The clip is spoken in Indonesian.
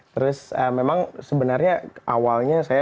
terus memang sebenarnya awalnya saya